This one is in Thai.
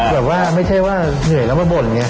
แบบว่าไม่ใช่ว่าเหนื่อยแล้วมาบ่นไง